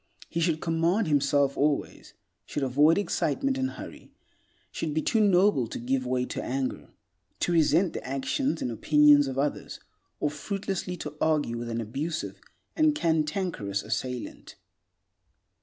He should command himself always; should avoid excitement and hurry; should be too noble to give way to anger, to resent the actions and opinions of others, or fruitlessly to argue with an abusive and cantankerous assailant.